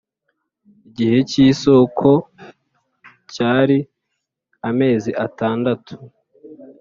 Igihe cy ‘isoko cyari amezi atandatu.